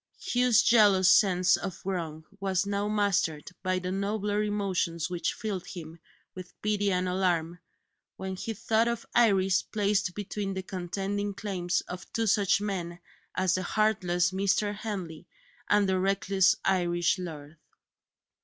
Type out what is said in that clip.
Hugh's jealous sense of wrong was now mastered by the nobler emotions which filled him with pity and alarm, when he thought of Iris placed between the contending claims of two such men as the heartless Mr. Henley and the reckless Irish lord.